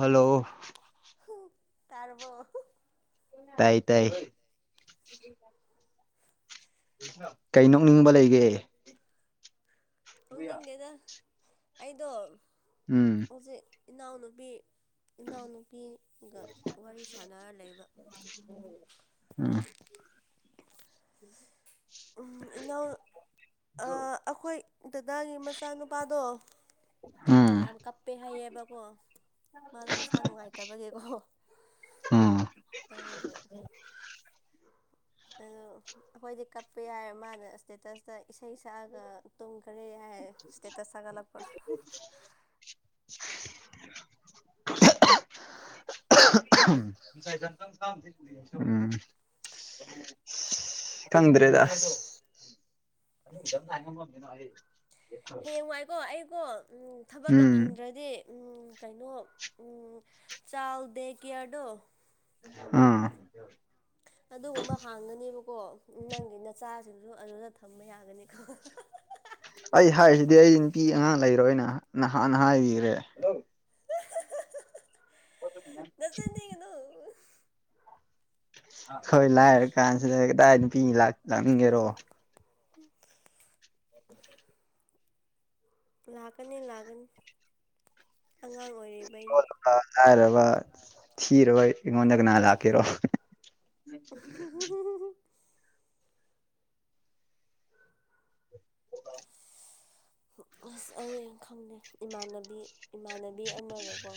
Hello ꯇꯥꯔꯕꯣ ꯇꯥꯏ ꯇꯥꯏ ꯀꯩ ꯅꯣꯛꯅꯤꯡꯕ ꯂꯩꯒꯦ ꯊꯣꯛꯪꯅꯤꯡꯗꯦꯗ ꯑꯩꯗꯣ ꯎꯝ ꯍꯧꯖꯤꯛ ꯏꯅꯥꯎꯅꯨꯄꯤ ꯏꯅꯥꯎꯅꯨꯄꯤꯒ ꯋꯥꯔꯤ ꯁꯥꯟꯅꯔ ꯂꯩꯕ ꯑꯥ ꯎꯝ ꯎꯝ ꯏꯩꯅꯎ ꯑꯩꯈꯣꯏ ꯗꯗꯥꯒꯤ ꯃꯆꯥꯅꯨꯄꯥꯗꯣ ꯎꯝ ꯌꯥꯝ ꯀꯞꯄꯦ ꯍꯥꯏꯩꯌꯦꯕꯀꯣ ꯃꯥꯗꯣ ꯃꯁꯥ ꯅꯨꯡꯉꯥꯏꯇꯕꯒꯤꯦꯀꯣ ꯎꯝ ꯑꯗꯨꯗꯒꯤ ꯑꯗꯨ ꯑꯩꯈꯣꯏꯗꯤ ꯀꯞꯄ ꯌꯥꯏ ꯃꯥꯅ ꯏꯁꯇꯦꯇꯁꯇ ꯏꯁꯩ ꯁꯛꯑꯒ ꯇꯨꯝꯈꯔꯦ ꯍꯥꯏ ꯏꯁꯇꯦꯇꯁ ꯁꯥꯒꯠꯂꯄ [inaudible] [unintelligible] ꯎꯝ ꯈꯪꯗ꯭ꯔꯦꯗ ꯑ ꯍꯨꯁꯔꯗ ꯍꯥꯏꯉꯝꯃꯤꯅꯣꯦ ꯍꯌꯦꯡ ꯋꯥꯏꯀꯣ ꯑꯩꯀꯣ ꯊꯕꯛꯀ ꯎꯝ ꯐꯪꯗ꯭ꯔꯗꯤ ꯀꯩꯅꯣ ꯆꯥ ꯗꯦ ꯀꯦꯌꯔꯗꯣ ꯑꯥ ꯑꯗꯨꯒꯨꯝꯕ ꯍꯥꯡꯒꯅꯦꯕꯀꯣ ꯅꯪꯒꯤ ꯅꯆꯥꯁꯤꯅ ꯑꯗꯨ ꯑꯗꯨꯗ ꯊꯝꯕ ꯌꯥꯒꯅꯤ ꯈꯣ ꯑꯩ ꯍꯥꯏꯔꯤꯁꯤꯗꯤ ꯑꯩ ꯅꯨꯄꯤ ꯑꯉꯥꯡ ꯂꯩꯔꯣꯏꯅ ꯅꯍꯥꯟꯅ ꯍꯥꯏꯕꯤꯈ꯭ꯔꯦ ꯑꯗꯨꯅꯦ ꯅꯆꯤꯟꯊꯤꯒꯅꯨ ꯍꯣꯏ ꯂꯥꯏꯔ ꯀꯥꯟꯁꯤꯗ ꯀꯗꯥꯏ ꯅꯨꯄꯤ ꯆꯪꯒꯦꯔꯣ [unintelligible] ꯂꯥꯛꯀꯅꯤ ꯂꯥꯛꯀꯅꯤ ꯑꯉꯥꯡ ꯑꯣꯏꯔꯤ ꯣꯂꯕ ꯂꯥꯏꯔꯕ ꯊꯤꯔꯕ ꯑꯩꯉꯣꯟꯗ ꯀꯅꯥꯍ ꯂꯥꯛꯀꯦꯔꯣ ꯑ ꯑꯁ ꯑꯩ ꯈꯪꯅꯦ ꯏꯃꯥꯟꯅꯕꯤ ꯏꯃꯥꯟꯅꯕꯤ ꯑꯃꯒꯀꯣ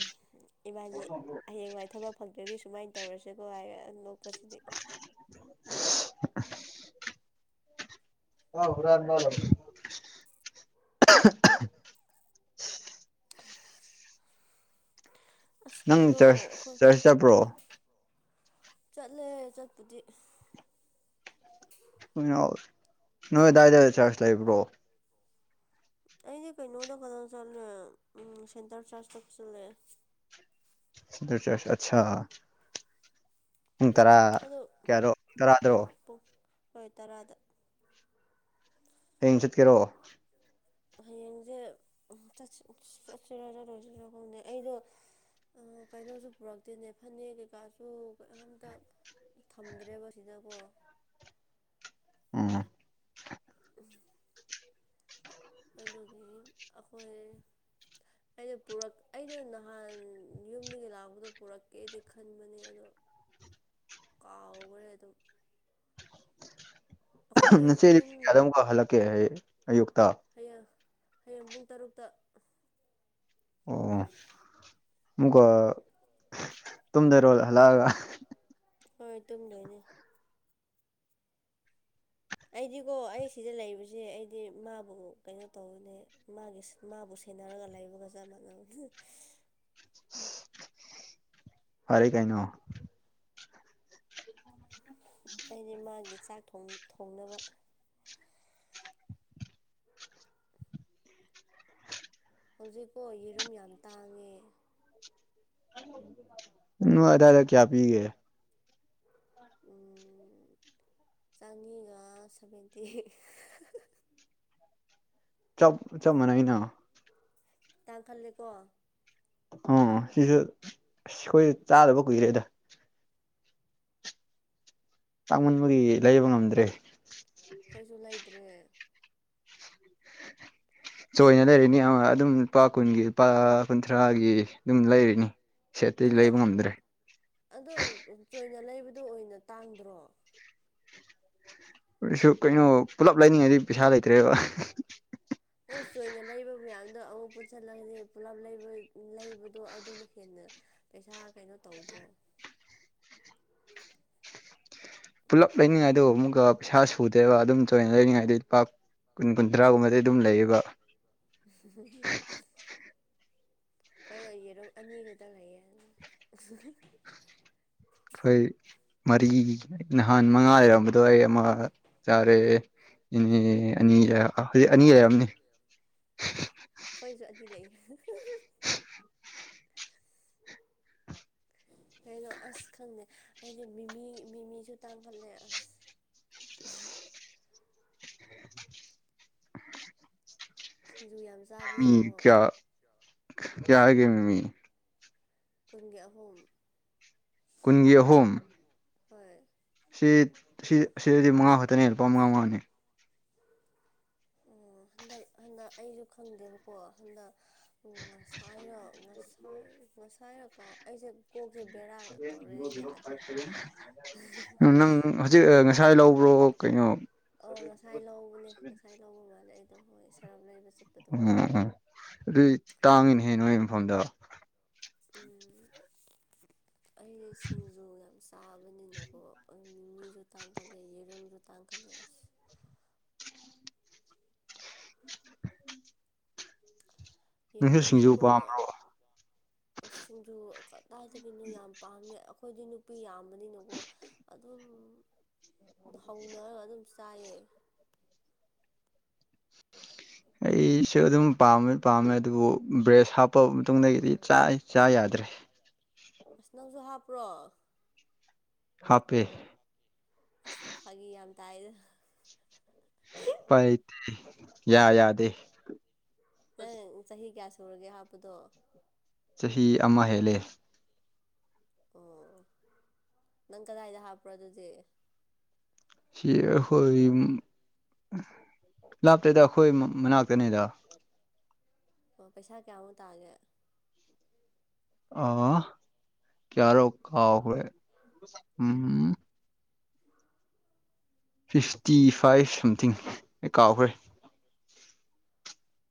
ꯏꯕꯥꯅꯤ ꯍꯌꯦꯡꯋꯥꯏ ꯊꯕꯛ ꯐꯪꯗꯒꯤ ꯁꯨꯃꯥꯏꯅ ꯇꯧꯔꯁꯦꯀꯣ ꯍꯥꯏꯔꯦ ꯅꯣꯛꯄꯁꯤꯗꯤ ꯑꯥꯎ ꯔ [unintelligible] ꯑꯁ ꯅꯪ ꯀꯩꯅꯣ ꯆꯔꯆ ꯑꯩꯈꯣꯏ ꯆꯔꯆ ꯆꯠꯄ꯭ꯔꯣ ꯆꯠꯂꯦ ꯆꯠꯄꯗꯤ ꯅꯗꯥꯏꯗꯗ ꯆꯁ ꯂꯩꯕ꯭ꯔꯣ ꯑꯩꯗꯤ ꯀꯩꯅꯣꯗ ꯈꯛꯇꯪ ꯆꯠꯂꯦ ꯎ ꯁꯦꯟꯇꯔ ꯆꯔꯖꯇ ꯆꯠꯂꯦ ꯆ ꯑꯆꯥꯥ ꯄꯨꯡ ꯇꯔꯥ ꯑꯗꯣ ꯀꯌꯥꯗꯣ ꯍꯣꯏ ꯇꯔꯥꯗꯔꯛꯑꯣ ꯄꯨꯡ ꯍꯣꯏ ꯇꯔꯥꯗ ꯍꯌꯦꯡ ꯆꯠꯀꯦꯔꯛꯑꯣ ꯍꯌꯦꯡꯁꯦ ꯆꯠꯁꯤꯔꯔ ꯂꯣꯏꯁꯤꯔꯣ ꯈꯪꯗꯦ ꯑꯩꯗꯣ ꯀꯩꯅꯣꯁꯨ ꯄꯨꯔꯛꯇꯦꯅꯦ ꯐꯅꯦꯛ ꯀꯩꯀꯥꯁꯨ ꯀꯝꯇ ꯊꯝꯗ꯭ꯔꯦꯕ ꯁꯤꯗꯀꯣ ꯎꯝ ꯑꯗꯨꯒꯤ ꯑꯩꯈꯣꯏ ꯑꯩꯗꯣꯛ ꯑꯩꯗ ꯅꯍꯥꯟ ꯌꯨꯝꯗꯒꯤ ꯂꯥꯛꯄꯗꯣ ꯄꯨꯔꯛꯀꯦꯗꯤ ꯈꯟꯕꯅꯦ ꯑꯗꯣ [inaudible] ꯀꯥꯎꯈ꯭ꯔꯦ ꯑꯗꯨꯝ [unintelligible] ꯑꯩꯈꯣꯏꯁꯨ ꯉꯁꯤ ꯑꯗꯤ ꯌꯨꯝ ꯄ ꯀꯌꯥꯗ ꯑꯃꯨꯛꯀ ꯍꯜꯂꯛꯀꯦ ꯑꯩ ꯑꯌꯨꯛꯇ ꯍꯌꯦꯡ ꯍꯌꯦꯡ ꯄꯨꯡ ꯇꯔꯨꯛꯇ ꯑꯣ ꯏꯀ ꯇꯨꯝꯗꯔꯣ ꯍꯜꯂꯛꯑꯒ ꯍꯣꯏ ꯇꯨꯝꯗꯣꯏꯅꯦ ꯑꯩꯗꯤꯀꯣ ꯑꯩ ꯁꯤꯗ ꯂꯩꯕꯁꯦ ꯑꯩꯗꯤ ꯃꯥꯕꯨ ꯀꯩꯅꯣ ꯇꯧꯕꯅꯦ ꯃꯥꯒꯤꯁ ꯃꯥꯕꯨꯁ ꯊꯦꯟꯅꯔꯒ ꯂꯩꯕꯒ ꯆ ꯃꯟꯅꯕꯅꯦ [unintelligible] ꯐꯔꯦ ꯀꯩꯅꯣ ꯑꯩꯗꯤ ꯃꯥꯒꯤ ꯆꯥꯛ ꯊꯣꯡ ꯊꯣꯡꯅꯕ ꯍꯧꯖꯤꯛꯄꯣ ꯌꯦꯔꯨꯝ ꯌꯥꯝ ꯇꯥꯡꯉꯦ ꯅꯣꯏ ꯑꯗꯥꯥꯏꯗ ꯀꯌꯥ ꯄꯤꯒꯦ [unintelligible] ꯆꯅꯤꯒ ꯁꯚꯦꯟꯇꯤ ꯆꯞ ꯆꯞ ꯃꯥꯟꯅꯩꯅ ꯇꯥꯡꯈꯠꯂꯦꯀꯣ ꯑꯣ ꯁꯤꯁꯨ ꯑꯁ ꯑꯩꯈꯣꯏꯁꯨ ꯆꯥꯗꯕ ꯀꯨꯏꯔꯦꯗ ꯇꯥꯡꯃꯟꯕꯒꯤ ꯂꯩꯕ ꯉꯝꯗ꯭ꯔꯦ ꯑꯩꯈꯣꯏꯁꯨ ꯂꯩꯗꯔꯦ ꯆꯣꯏꯅ ꯂꯩꯔꯤꯅꯤ ꯑꯗꯨꯝ ꯂꯨꯄꯥ ꯀꯨꯟꯒꯤ ꯂꯨꯄꯥ ꯀꯨꯟꯊ꯭ꯔꯥꯒꯤ ꯑꯗꯨꯝ ꯂꯩꯔꯤꯅꯤ ꯁꯦꯠꯇꯤ ꯑꯗꯣ ꯂꯩꯕ ꯉꯝꯗ꯭ꯔꯦ ꯑꯗꯣ ꯆꯣꯏꯅ ꯂꯩꯕꯗꯣ ꯑꯣꯏꯅ ꯇꯥꯡꯗ꯭ꯔꯣ ꯀꯁꯨ ꯀꯩꯅꯣ ꯄꯨꯜꯂꯞ ꯂꯩꯅꯤꯡꯉꯩꯗꯤ ꯄꯩꯁꯥ ꯂꯩꯇ꯭ꯔꯦꯕ ꯑ ꯆꯣꯏꯅ ꯂꯩꯕ ꯃꯌꯥꯝꯗꯣ ꯑꯃꯨꯛ ꯄꯨꯟꯁꯤꯜꯂꯗꯤ ꯄꯨꯂꯞ ꯂꯩꯕꯗꯣ ꯑꯗꯨꯅ ꯍꯦꯟꯅꯩ ꯄꯩꯁꯥ ꯀꯩꯅꯣ ꯇꯧꯗ꯭ꯔꯣ [unintelligible] ꯄꯨꯜꯂꯞ ꯂꯩꯅꯤꯡꯉꯥꯏꯗꯨ ꯑꯃꯨꯛꯀ ꯄꯩꯁꯥ ꯁꯨꯗꯦꯕ ꯑꯗꯨꯝ ꯆꯣꯏꯅ ꯂꯩꯅꯤꯡꯉꯥꯏꯗꯤ ꯂꯨꯄ ꯀꯨꯟ ꯀꯨꯟꯊ꯭ꯔꯥꯒꯨꯝꯕꯗ ꯑꯗꯨꯝ ꯂꯩꯌꯦꯕ [unintelligible] ꯍꯣꯏ ꯌ ꯌꯦꯔꯨꯝ ꯑꯅꯤ ꯈꯛꯇꯪ ꯂꯩꯌꯦ ꯑꯩꯈꯣꯏ ꯃꯔꯤ ꯅꯍꯥꯟ ꯃꯉꯥ ꯂꯩꯔꯝꯕꯗꯣ ꯑꯩ ꯑꯃ ꯆꯥꯔꯦ ꯏꯅꯦ ꯑꯅꯤꯔ ꯑ ꯍꯧꯖꯤ ꯑꯅꯤ ꯂꯩꯔꯝꯅꯤ ꯑꯩꯈꯣꯏꯁꯨ ꯑꯅꯤ ꯂꯩ [inaudible] ꯀꯩꯅꯣ ꯑꯁ ꯈꯪꯗꯦ ꯑꯩꯗꯤ ꯃꯤꯃꯤ ꯃꯤꯃꯤꯁꯨ ꯇꯥꯡꯈꯠꯂꯦ ꯑꯁ [unintelligible] ꯁꯤꯡꯖꯨ ꯌꯥꯝ ꯃꯤꯃꯤ ꯆꯥꯕꯅꯤꯅꯀꯣ ꯀꯌꯥ ꯀꯌꯥ ꯂꯩꯒꯦ ꯃꯤꯃꯤ ꯀꯡꯒꯤꯦꯠ ꯑꯍꯨꯝꯨꯝ ꯀꯨꯟꯒꯤ ꯑꯍꯨꯝ ꯍꯣꯏ ꯁꯤ ꯁꯤꯗꯗꯤ ꯃꯉꯥ ꯈꯛꯇꯅꯦ ꯂꯨꯄꯥ ꯃꯉꯥ ꯃꯉꯥꯅꯦ ꯑꯣ ꯍꯟꯗꯛ ꯍꯟꯗꯛ ꯑꯩꯁꯨ ꯈꯪꯗꯦꯕꯀꯣ ꯍꯟꯗꯛ ꯉꯁꯥꯏꯔ ꯉꯁꯥꯏ ꯉꯁꯥꯏꯔꯀꯣ ꯑꯩꯁꯦ ꯀꯣꯛ ꯎ ꯅꯪ ꯍꯧꯖꯤꯛ ꯉꯁꯥꯏ ꯂꯧꯕ ꯄꯔꯣ ꯀꯩꯅꯣ ꯑꯣ ꯉꯁꯥꯏ ꯂꯧꯕꯅꯦ ꯉꯁꯥꯏ ꯂꯧꯕ ꯃꯥꯂꯦ ꯑꯩꯗꯣ ꯍꯣꯏ ꯁꯔꯞ ꯂꯩꯕꯁ ꯎꯝ ꯎꯝ ꯑꯗꯨ ꯇꯥꯡꯉꯤꯅꯦꯍꯦ ꯅꯣꯏꯣꯏ ꯃꯨꯝꯐꯝꯗ ꯎꯝ ꯑꯩꯗꯤ ꯁꯤꯡꯖꯨ ꯌꯥꯝ ꯆꯥꯕꯅꯤꯅꯀꯣ ꯃꯤꯁꯨ ꯇꯥꯡꯈꯠꯂꯦ ꯌꯦꯔꯝꯁꯨ ꯇꯥꯡꯈꯠꯂꯦ ꯑꯁ ꯄꯪꯁꯨ ꯁꯤꯡꯖꯨ ꯌꯦꯔꯨꯝꯁꯨꯀꯣ ꯄꯥꯝꯕ꯭ꯔꯣ ꯁꯤꯡꯖꯨ ꯀꯗꯥꯏꯗꯒꯤꯅꯣ ꯌꯥꯝ ꯄꯥꯝꯃꯦ ꯑꯩꯈꯣꯏꯗꯤ ꯅꯨꯄꯤ ꯌꯥꯝꯕꯅꯤꯅꯀꯣ ꯑꯗꯨꯝ ꯍꯧꯅꯔꯒ ꯑꯗꯨꯝ ꯆꯥꯏꯌꯦ ꯑꯩꯁꯨ ꯑꯗꯨꯝ ꯄꯥꯝꯃꯦ ꯄꯥꯝꯃꯦ ꯑꯗꯨꯕꯨ ꯕ꯭ꯔꯦꯁ ꯍꯥꯞꯄ ꯃꯇꯨꯡꯗꯒꯤꯗꯤ ꯆ ꯆꯥ ꯌꯥꯗꯦ ꯦ ꯑꯁ ꯅꯪꯁꯨ ꯍꯥꯞꯄ꯭ꯔꯣ ꯍꯥꯄꯦ ꯑꯁ ꯐꯥꯒꯤ ꯌꯥꯝ ꯇꯥꯏꯗ ꯎꯄꯥꯏ ꯂꯩꯇꯦ ꯌꯥ ꯌꯥꯗꯦ ꯅꯪ ꯆꯍꯤ ꯀꯌꯥ ꯁꯨꯔꯒꯦ ꯍꯥꯞꯄꯗꯣ ꯆꯍꯤ ꯑꯃ ꯍꯦꯜꯂꯦ ꯑꯣ ꯅꯪ ꯀꯗꯥꯏꯗ ꯍꯥꯞꯄ꯭ꯔꯣ ꯑꯗꯨꯗꯤ ꯁꯤ ꯍꯣꯏ ꯂꯥꯞꯇꯦꯗ ꯑꯩꯈꯣꯏ ꯃꯅꯥꯛꯇꯅꯤꯗ ꯑꯣ ꯄꯩꯁꯥ ꯀꯌꯥꯃꯨꯛ ꯇꯥꯒꯦ ꯑꯥ ꯀꯔꯣ ꯀꯥꯎ ꯍ ꯎꯝ ꯐꯤꯐꯇꯤ ꯐꯥꯏꯚ ꯁꯝꯊꯤꯡ ꯑꯦ ꯀꯥꯎꯈ꯭ꯔꯦ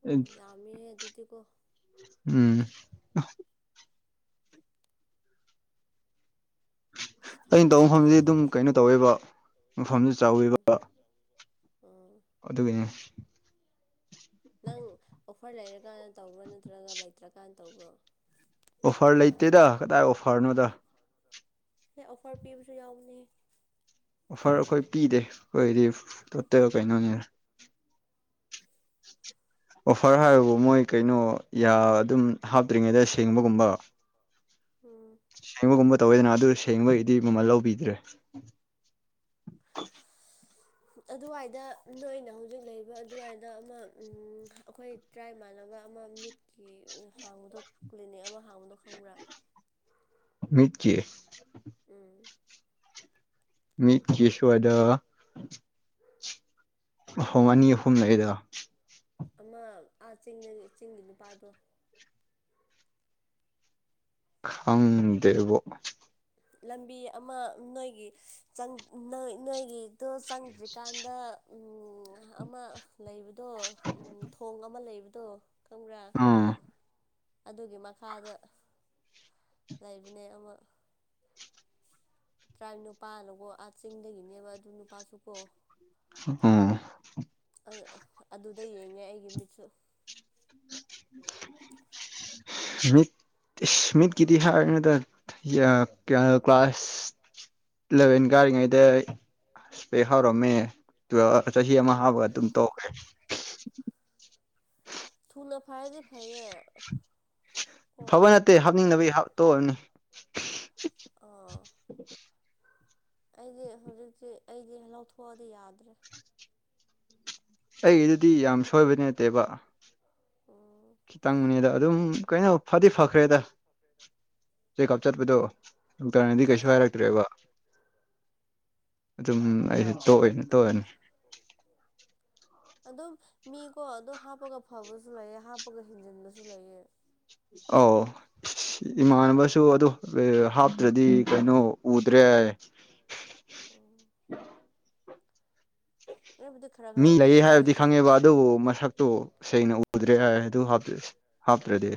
ꯑꯣ ꯎꯝ ꯌꯥꯝꯃꯤꯍꯦ ꯑꯗꯨꯗꯤꯀꯣ ꯑꯁ ꯐꯥꯒꯤ ꯑꯩꯅ ꯇꯧꯕ ꯌꯥꯝ ꯃꯐꯝꯗꯤ ꯇꯥꯏꯍꯦ ꯑꯗꯨꯝ ꯁꯤ ꯀꯩꯅꯣ ꯇꯧꯋꯦꯕ ꯃꯐꯝꯗꯨ ꯎꯝ ꯆꯥꯎꯋꯦꯕ ꯎꯝ ꯑꯗꯨꯅꯦꯅꯦ ꯅꯪ ꯑꯣꯐꯔ ꯂꯩꯔꯀꯥꯟꯗ ꯇꯧꯕ꯭ꯔꯣ ꯅꯠꯇ꯭ꯔꯒ ꯂꯩꯇ꯭ꯔꯀꯥꯟꯅ ꯇꯧꯕ꯭ꯔꯣ ꯑꯣꯐꯔ ꯂꯩꯇꯦꯗ ꯀꯗꯥꯏ ꯑꯣꯐꯔꯅꯣꯗ ꯍ ꯑꯣꯐꯔ ꯄꯤꯕꯁꯨ ꯌꯥꯎꯅꯤ ꯐꯔ ꯑꯩꯈꯣꯏ ꯄꯤꯗꯦ ꯑꯩꯈꯣꯏꯗꯤ ꯇꯣꯇꯦꯜ ꯀꯩꯅꯣꯅꯤꯅ [inaudible] ꯑꯣꯐꯔ ꯍꯥꯏꯕꯕꯨ ꯃꯣꯏ ꯀꯩꯅꯣ ꯑꯗꯨꯝ ꯍꯥꯞꯇ꯭ꯔꯤꯉꯩꯗ ꯁꯦꯡꯕꯒꯨꯝꯕ ꯎꯝ ꯁꯤꯃꯒꯨꯝ ꯇꯧꯋꯦꯗꯅ ꯑꯗꯨ ꯁꯦꯡꯕꯒꯤꯗꯤ ꯃꯃꯜ ꯂꯧꯕꯤꯗ꯭ꯔꯦ ꯑꯗꯨꯋꯥꯏꯗ ꯅꯣꯏꯅ ꯍꯧꯖꯤꯛ ꯂꯩꯔꯤꯕ ꯑꯗꯨꯋꯥꯏꯗ ꯑꯃ ꯑꯩꯈꯣꯏ ꯇꯔꯥꯃꯥꯟꯅꯕ ꯑꯃ ꯃꯤꯠꯀꯤ ꯍꯥꯡꯕꯗꯣ ꯀ꯭ꯂꯤꯅꯤꯛ ꯑꯃ ꯍꯥꯡꯕꯗꯣ ꯈꯪꯕ꯭ꯔꯥ ꯎꯃꯤꯀꯤ ꯎꯝ ꯃꯤ ꯀꯁꯨꯣ ꯍꯥꯏꯗ ꯃꯐꯝ ꯑꯅꯤ ꯑꯍꯨꯝ ꯂꯩꯗ ꯑꯃ ꯑꯥ ꯆ ꯆꯤꯡꯒꯤ ꯅꯨꯄꯥꯗꯣ ꯈꯪꯗꯦꯕꯣ ꯂꯝꯕꯤ ꯑꯃ ꯅꯣꯏꯒꯤ ꯅꯣꯏꯒꯤ ꯑꯣ ꯆꯪꯗ꯭ꯔꯤꯀꯥꯟꯗ ꯑꯃ ꯂꯩꯕ ꯑꯗꯣ ꯊꯣꯡ ꯑꯃ ꯂꯩꯕꯗꯣ ꯀꯪꯝꯕ꯭ꯔꯥ ꯑꯥ ꯑꯗꯨꯒꯤ ꯃꯈꯥꯗ ꯂꯩꯕꯅꯦ ꯑꯃ ꯇꯔꯥ ꯅꯨꯨꯄꯥꯅꯀꯣ ꯑꯥ ꯆꯤꯡꯗꯒꯤꯅꯦꯕ ꯑꯗꯨ ꯅꯨꯄꯥꯁꯨ ꯀꯣ ꯑ ꯑꯗꯨꯗ ꯌꯦꯡꯉꯦ ꯑꯩꯒꯤ ꯃꯤꯠꯁꯨ [inaudible] ꯃꯤꯠ ꯃꯤꯠꯀꯤꯗꯤ ꯍꯥꯏꯔꯤꯗ ꯀ꯭ꯂꯥꯁ ꯏꯂꯚꯦꯟ ꯀꯥꯔꯤꯉꯩꯗꯄꯦꯛ ꯍꯧꯥꯎꯔꯝꯃꯦ ꯇꯨꯋꯦꯜ ꯆꯍꯤ ꯑꯃ ꯎꯝ ꯍꯥꯞꯕꯒ ꯑꯗꯨꯝ ꯇꯧꯈꯦ ꯊꯨꯅ ꯐꯥꯏꯗꯤ ꯐꯩꯌꯦ ꯀꯣ ꯐꯕ ꯅꯠꯇꯦ ꯍꯥꯞꯅꯤꯡꯗꯅꯕꯒꯤ ꯍꯥꯞ ꯇꯣꯛꯔꯅꯤ ꯑꯥ ꯑꯩꯗꯤ ꯍꯧꯖꯤꯛꯇꯤ ꯑꯩꯗꯤ ꯂꯧꯊꯣꯛꯑꯗꯤ ꯌꯥꯗ꯭ꯔꯦ ꯑꯩ ꯑꯗꯨꯗꯤ ꯌꯥꯝ ꯁꯣꯏꯕꯗꯤ ꯅꯠꯇꯦꯕ ꯎꯝ ꯈꯤꯇꯪꯅꯤꯗ ꯑꯗꯨꯝ ꯀꯩꯅꯣ ꯐꯗꯤ ꯐꯈ꯭ꯔꯦꯗ ꯆ ꯀꯥꯞ ꯆꯠꯄꯗꯣ ꯅꯨꯡꯇꯔꯅꯤꯗꯤ ꯍꯣꯏ ꯀꯩꯁꯨ ꯍꯥꯏꯔꯛꯇ꯭ꯔꯦꯕ ꯑꯗꯨꯝ ꯑꯩꯁꯨ ꯇꯣꯛꯑꯣꯏꯅ ꯇꯣꯛꯑꯅꯤ ꯑꯗꯨꯝ ꯃꯤꯀꯣ ꯑꯗꯨꯝ ꯍꯥꯞꯄꯒ ꯐꯕꯁꯨ ꯂꯩꯑ ꯍꯥꯞꯄꯒ ꯍꯤꯡꯖꯤꯟꯕꯁꯨ ꯂꯩꯑ ꯑꯧ ꯏꯃꯥꯟꯅꯕꯁꯨ ꯑꯗꯨ ꯍꯥꯞꯇ꯭ꯔꯗꯤ ꯀꯩꯅꯣ ꯎꯗ꯭ꯔꯦ ꯌꯥ꯫ ꯎꯝ ꯑꯩꯕꯨꯗꯤ ꯈꯔ ꯈꯔ ꯃꯤ ꯎꯏꯌꯦ ꯂꯩ ꯑꯗꯨ ꯍꯥꯏꯕꯗꯤ ꯑꯣꯏꯔꯁꯨ ꯈꯪꯉꯦꯕ ꯑꯗꯨꯕꯨ ꯃꯁꯛꯇꯨ ꯁꯦꯡꯅ ꯎꯗ꯭ꯔꯦ ꯍꯥꯏ ꯑꯗꯨ ꯍꯥꯞꯇ꯭ꯔꯗꯤ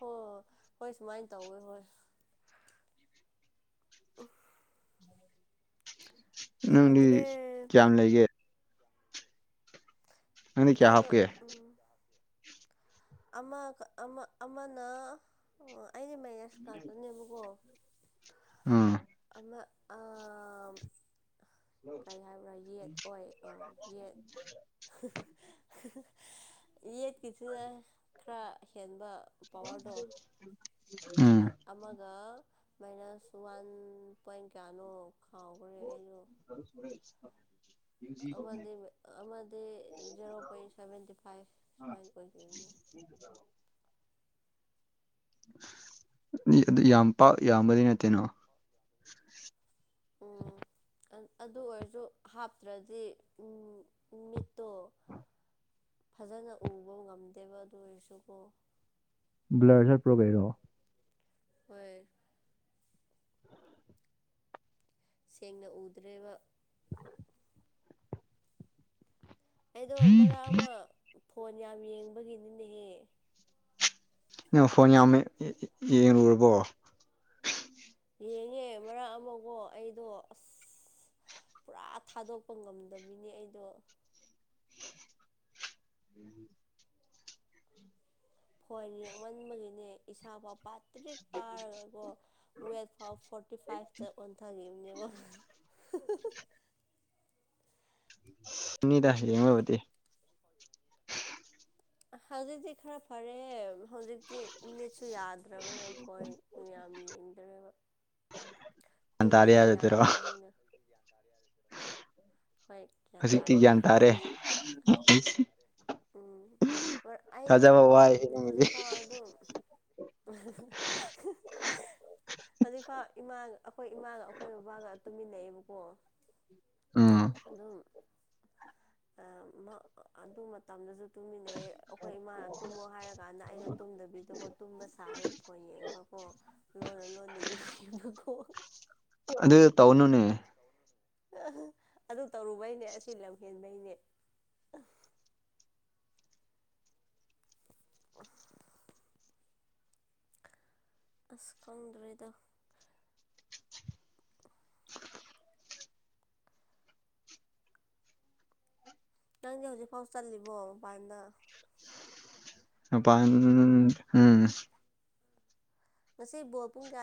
ꯍꯣꯏ ꯍꯣꯏ ꯁꯨꯃꯥꯏꯅ ꯇꯧꯋꯦ ꯍꯣꯏ ꯑ ꯅꯪꯗꯤ ꯀꯌꯥꯝ ꯂꯩꯒꯦ ꯑꯅꯤ ꯀꯌꯥ ꯍꯥꯐ ꯑꯩꯗꯣ ꯀ ꯎꯝ ꯑꯃꯅ ꯑꯩꯁ ꯃꯌꯥꯁ ꯀꯥꯛꯇꯣꯏꯅꯦꯕꯀꯣ ꯑꯥ ꯃ ꯑꯥ ꯀꯩ ꯍꯥꯏꯕ꯭ꯔꯥ ꯌꯦꯠ ꯑꯣꯏ ꯑꯣ ꯌꯦꯠ [inaudible] ꯌꯦꯠꯀꯤꯁꯤꯅ ꯈꯔ ꯍꯦꯟꯕ ꯄꯋꯥꯔꯗꯣ ꯎꯝ ꯑꯃꯒ [inaudible] ꯃꯥꯏꯅꯁ ꯋꯥꯟ ꯄꯣꯏꯟ ꯀꯌꯥꯅꯣ ꯈꯥꯎꯈ꯭ꯔꯦ ꯑꯩꯁꯨꯣ ꯑꯃꯗꯤ ꯖꯦꯔꯣ ꯄꯣꯏꯟ ꯁꯚꯦꯟꯇꯤ ꯐꯥꯏꯚ ꯁꯨꯃꯥꯏꯅ ꯑꯣꯏꯈꯤꯕꯅꯤ ꯣ ꯑꯗꯨ ꯌꯥꯝ ꯄ ꯌꯥꯝꯕꯗꯤ ꯅꯠꯇꯦꯅꯣ [inaudible] ꯎꯝ ꯑꯗꯨ ꯑꯣꯏꯔꯁꯨ ꯍꯥꯞꯇ꯭ꯔꯗꯤ ꯃꯤꯠꯇꯣ ꯐꯖꯅ ꯎꯕ ꯉꯝꯗꯦꯕ ꯑꯗꯨ ꯑꯣꯏꯔꯁꯨꯀꯣ ꯕ꯭ꯂꯔꯁꯔ ꯄ꯭ꯔꯣꯒꯔꯣ ꯍꯣꯏ ꯁꯦꯡꯅ ꯎꯗ꯭ꯔꯦꯕ [inaudible] ꯑꯩꯗꯣ ꯃꯔꯛ ꯑꯃ ꯐꯣꯟ ꯌꯥꯝ ꯌꯦꯡꯕꯒꯤꯅꯤꯅꯦꯍꯦ ꯐꯣꯟ ꯌꯥꯝꯃꯦ ꯌꯦꯡꯨꯔꯕꯣ ꯌꯦꯡꯉꯦ ꯃꯔꯛ ꯑꯃꯒꯣ ꯑꯩꯗꯣ ꯑꯁ ꯄꯨꯔꯥ ꯊꯥꯗꯣꯛꯄ ꯉꯝꯗꯕꯤꯅꯦ ꯑꯩꯗꯣ ꯎꯝ ꯐꯣꯏꯟ ꯌꯦꯛꯃꯟꯕꯒꯤꯅꯦ ꯏꯁꯥ ꯄꯄꯥꯠ ꯇ ꯄꯥꯔꯒꯀꯣ ꯐꯥꯎ ꯐꯣꯔꯇꯤ ꯐꯥꯏꯚꯇ ꯑꯣꯟꯊꯈꯤꯕꯅꯦꯕ ꯎ ꯁꯅꯤꯗꯁꯤꯃꯕꯗꯤ ꯍꯖꯤꯛꯇ ꯈꯔ ꯐꯔ ꯔꯦ ꯍꯧꯖꯤ ꯃꯤꯆ ꯁꯨ ꯌꯥꯗ꯭ꯔꯕꯅ ꯐꯣꯏ ꯌꯥꯝ ꯌꯦꯡꯗ꯭ꯔꯦꯕ ꯒ꯭ꯌꯥꯟ ꯇꯥꯔꯦ ꯇꯨꯝꯕꯅ ꯌꯥꯝꯃꯦ ꯍꯥꯏꯕꯗꯨꯔꯣ ꯍꯧꯖꯤꯛꯅ ꯍꯣꯏ ꯍꯧꯖꯤꯛꯇꯤ ꯇꯥꯔꯦ ꯒ꯭ꯌꯥꯟ ꯇꯥꯔꯦ ꯎꯝ ꯊꯥꯖꯕ ꯑꯩꯗꯤꯀꯣ ꯋꯥꯏ ꯅꯪꯒꯤꯗꯤ ꯍꯧꯖꯤꯛ ꯐꯥꯎ ꯑꯗꯨ [unintelligible] ꯍꯥꯏꯗꯤ ꯏꯃꯥ ꯑꯩꯈꯣꯏ ꯏꯃꯥꯒ ꯑꯩꯈꯣꯏ ꯕꯕꯥꯒ ꯇꯨꯃꯤꯟꯅꯩꯌꯦꯕꯀꯣ ꯎꯝ ꯑꯗꯨꯝ ꯑꯗꯨ ꯃꯇꯝꯗꯁꯨ ꯇꯨꯃꯤꯟꯅ ꯑꯗꯩ ꯑꯩꯈꯣꯏ ꯏꯃꯥꯅ ꯇꯨꯝꯃꯣ ꯍꯥꯏꯔꯀꯥꯟꯗ ꯑꯩꯅ ꯇꯨꯝꯗꯕꯤꯗꯀꯣ ꯇꯨꯝꯕ ꯁꯥꯔꯒ ꯐꯣꯟ ꯌꯦꯡꯕꯀꯣ ꯂꯣꯟꯅ ꯂꯣꯟꯗꯒꯤ ꯁꯦꯝꯕ ꯈꯣꯡ ꯑꯗꯨꯗ ꯇ ꯑꯗꯨ ꯇꯧꯔꯨꯕꯩꯅꯦ ꯑꯁꯤ ꯂꯝ ꯍꯦꯟꯕꯩꯅꯦ [unintelligible] ꯑꯁꯀꯣꯡꯗꯨꯔꯦꯗ ꯅꯪꯗꯤ ꯍꯧꯖꯤꯛ ꯐꯥꯎ ꯆꯠꯂꯤꯕꯣ ꯃꯄꯥꯟꯗ ꯑ ꯎꯝ ꯃꯁꯤꯁꯕꯣꯄꯨꯡ ꯀꯌꯥ